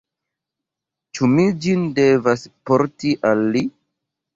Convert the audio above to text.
Ĉu mi ĝin devas porti al li?